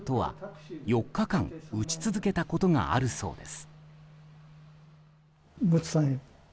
畑さんとは４日間打ち続けたことがあるそうです。